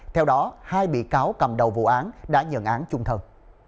theo đó hai bị cáo cầm đầu vụ án đã nhận án chung thân